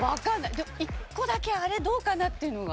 でも１個だけあれどうかな？っていうのが。